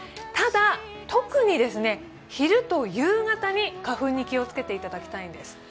ただ、特に昼と夕方に花粉に気をつけていただきたいんです。